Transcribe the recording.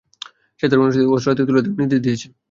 সে তার অনুসারীদের অস্ত্র হাতে তুলে নেওয়ার নির্দেশ দিয়েছে।